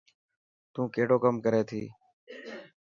تون ڪهڙو ڪم ڪري ٿي.